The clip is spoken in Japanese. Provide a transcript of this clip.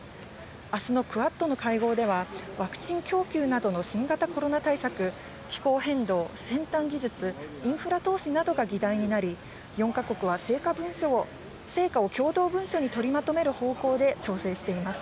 明日のクアッドの会合ではワクチン供給などの新型コロナ対策、気候変動、先端技術、インフラ投資などが議題になり、４か国は成果を共同文書にとりまとめる方向で調整しています。